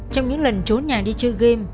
trong những lần trốn nhà đi chơi game